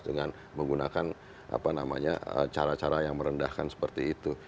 kami juga nggak mau membalas dengan menggunakan cara cara yang merendahkan seperti itu